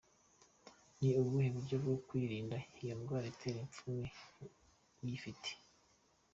Ni ubuhe buryo bwo kwirinda iyi ndwara itera ipfunwe uyifite?.